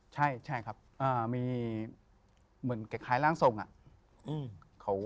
ใช่ครับมีเหมือนคล้ายร่างทรงอะ